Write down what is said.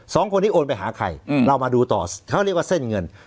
สองคนนี้โอนไปหาใครเรามาดูต่อเขาเรียกว่าเส้นเงิน